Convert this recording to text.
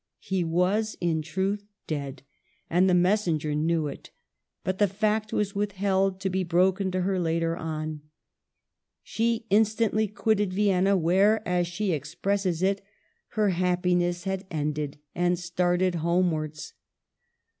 He was, in truth, dead, and the mes senger knew it ; but the fact was withheld, to be broken to her later on. She instantly quitted Vienna, where, as she expresses it, " her happi ness had ended," and started homewards.